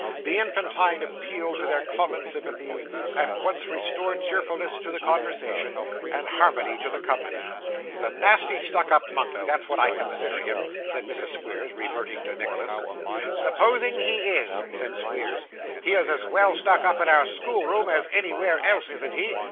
The infantine appeal to their common sympathies, at once restored cheerfulness to the conversation, and harmony to the company. 'He's a nasty stuck up monkey, that's what I consider him,' said Mrs Squeers, reverting to Nicholas. 'Supposing he is,' said Squeers, 'he is as well stuck up in our schoolroom as anywhere else, isn't he?